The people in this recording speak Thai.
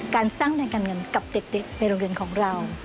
การสร้างทางการเงินกับเด็กในโรงเรียนของเรา